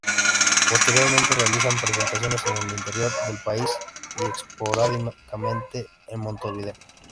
Posteriormente, realizan presentaciones en el interior del país, y esporádicamente en Montevideo.